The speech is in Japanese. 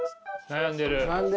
悩んでる。